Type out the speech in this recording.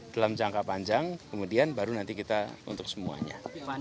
dalam jangka panjang kemudian baru nanti kita untuk semuanya